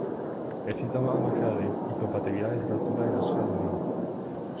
El síntoma más claro de incompatibilidad es la rotura en la zona de unión.